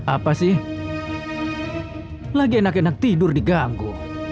apa sih lagi enak enak tidur diganggu